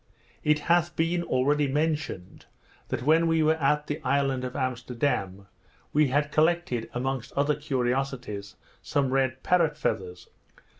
It hath been already mentioned, that when we were at the island of Amsterdam we had collected, amongst other curiosities, some red parrot feathers.